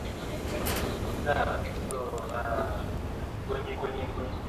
wa Wagiriki mashariki na Walatini magharibi bila